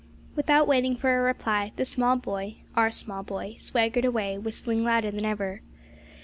Without waiting for a reply, the small boy (our small boy) swaggered away whistling louder than ever.